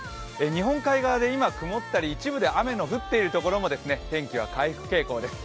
日本海側で今曇ったり、一部で雨が降っている所でも天気は回復傾向です。